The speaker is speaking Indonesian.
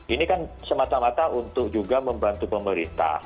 ini kan semata mata untuk juga membantu pemerintah